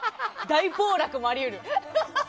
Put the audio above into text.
大暴落もあり得る。